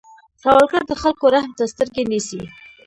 سوالګر د خلکو رحم ته سترګې نیسي